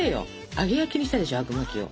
揚げ焼きにしたでしょあくまきを。